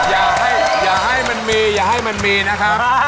อย่าให้มันมีอย่าให้มันมีนะครับ